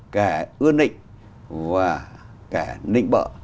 kẻ ưa nịnh và kẻ nịnh bỡ